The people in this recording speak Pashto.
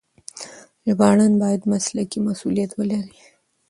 ژباړن بايد مسلکي مسؤليت ولري.